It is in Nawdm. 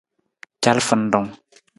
Calafarung.